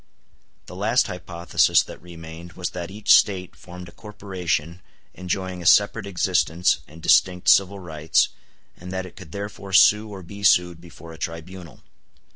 ] The last hypothesis that remained was that each State formed a corporation enjoying a separate existence and distinct civil rights, and that it could therefore sue or be sued before a tribunal.